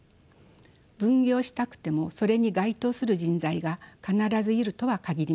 分業したくてもそれに該当する人材が必ずいるとは限りません。